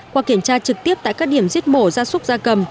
qua kiểm tra trực tiếp tại các điểm giết mổ gia súc gia cầm